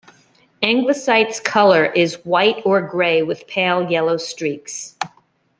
Anglesite's color is white or gray with pale yellow streaks.